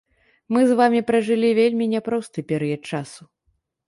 Мы з вамі пражылі вельмі няпросты перыяд часу.